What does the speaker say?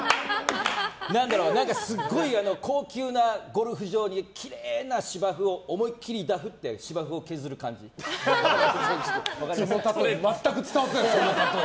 すごい高級なゴルフ場のきれいな芝生を思いっきりダフって全く伝わってない例え。